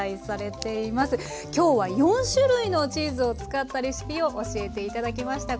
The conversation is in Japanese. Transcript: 今日は４種類のチーズを使ったレシピを教えて頂きました。